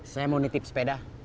saya mau nitip sepeda